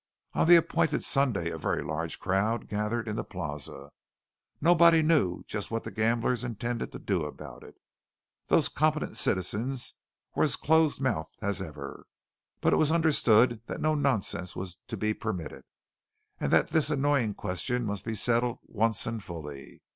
On the appointed Sunday a very large crowd gathered in the Plaza. Nobody knew just what the gamblers intended to do about it. Those competent citizens were as close mouthed as ever. But it was understood that no nonsense was to be permitted, and that this annoying question must be settled at once and fully.